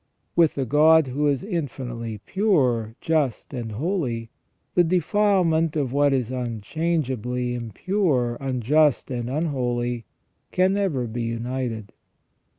With the God who is infinitely pure, just, and holy, the defilement of what is unchangeably impure, unjust, and unholy can never be united.